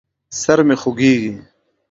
سر مې خوږېږي.